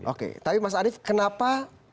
oke tapi mas arief kenapa